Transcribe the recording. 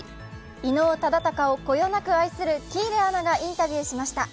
伊能忠敬をこよなく愛する喜入アナがインタビューしました。